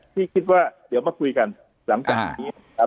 ที่คิดว่าเดี๋ยวมาคุยกันหลังจากนี้ครับ